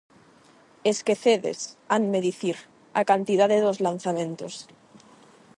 "Esquecedes -hanme dicir- a cantidade dos lanzamentos".